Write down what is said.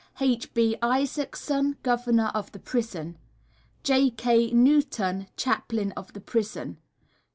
H. B. ISAACSON, Governor of the Prison. J. K. NEWTON, Chaplain of the Prison.